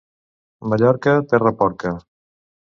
Mallorca, terra porca.